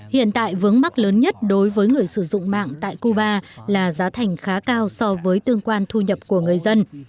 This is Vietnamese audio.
hiện tại vướng mắc lớn nhất đối với người sử dụng mạng tại cuba là giá thành khá cao so với tương quan thu nhập của người dân